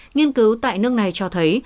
nghiên cứu tại nước này cho thấy